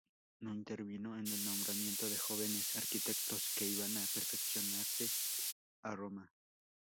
No intervino en el nombramiento de jóvenes arquitectos que iban a perfeccionarse a Roma.